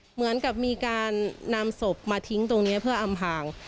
เหมือนกับมีการนำศพมาทิ้งตรงนี้เพื่ออำพาง